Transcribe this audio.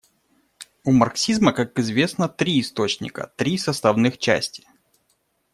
У марксизма, как известно, три источника, три составных части.